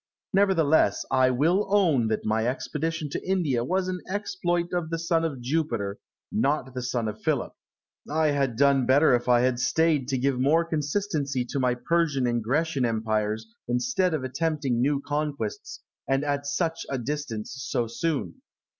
Nevertheless, I will own that my expedition to India was an exploit of the son of Jupiter, not of the son of Philip. I had done better if I had stayed to give more consistency to my Persian and Grecian Empires, instead of attempting new conquests and at such a distance so soon.